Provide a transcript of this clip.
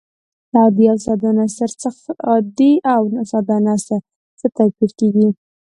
له عادي او ساده نثر څخه توپیر کیږي.